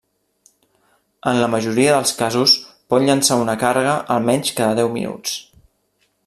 En la majoria dels casos pot llançar una càrrega almenys cada deu minuts.